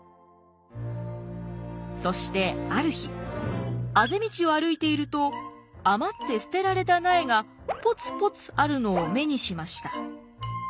そしてある日あぜ道を歩いていると余って捨てられた苗がぽつぽつあるのを目にしました。